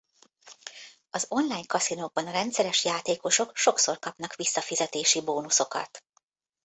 Az online kaszinókban a rendszeres játékosok sokszor kapnak visszafizetési bónuszokat.